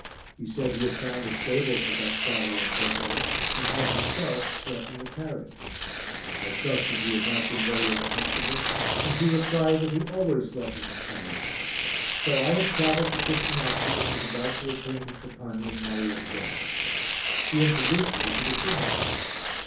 He said he had found a stable for Gaspare and Toto and had himself slept in the carriage. I trusted he had not been very uncomfortable and he replied that he always slept in his carriage. So I had travelled to Custonaci and was about to return to Trapani in Mario's bed. He introduced me to the shoemaker.